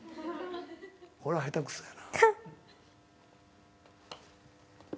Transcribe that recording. これは下手くそやな。